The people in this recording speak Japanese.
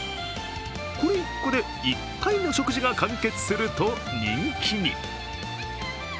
これ１個で１回の食事が完結すると人気に。